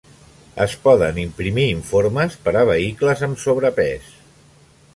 Es poden imprimir informes per a vehicles amb sobrepès.